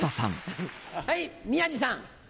はい宮治さん。